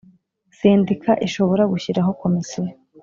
Sendika ishobora gushyiraho komisiyo